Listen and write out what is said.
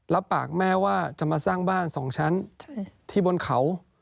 รับปากแม่ว่าจะมาสร้างบ้าน๒ชั้นที่บนเขา